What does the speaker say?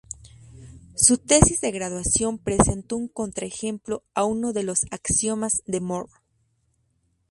Su tesis de graduación presentó un contraejemplo a uno de los "axiomas de Moore".